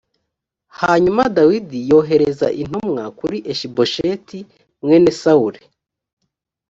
hanyuma dawidi yohereza intumwa kuri ishibosheti mwene sawuli